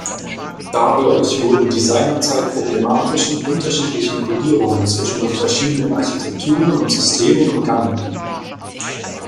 Dadurch wurden die seinerzeit problematischen unterschiedlichen Codierungen zwischen den verschiedenen Architekturen und Systemen umgangen.